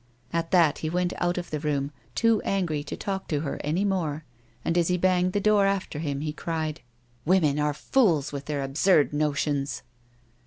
At that, he went out of the room, too angry to talk to her any longer, and as he bauged the door after him he cried, " 'sVomen are fools with their absurd notions